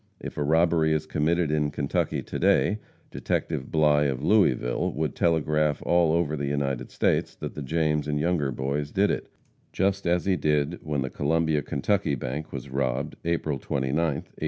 If a robbery is committed in Kentucky to day, detective Bligh, of Louisville, would telegraph all over the United States that the James and Younger Boys did it, just as he did when the Columbia, Kentucky, bank was robbed, April 29th, 1872.